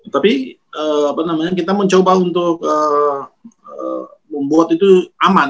tapi apa namanya kita mencoba untuk membuat itu aman